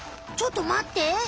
ちょっとまって。